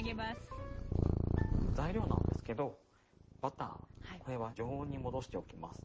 材料なんですけどバターこれは常温に戻しておきます。